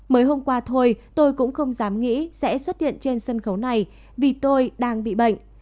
mới hôm qua thôi tôi cũng không dám nghĩ sẽ xuất hiện trên sân khấu này vì tôi đang bị bệnh